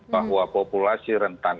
bahwa populasi rentan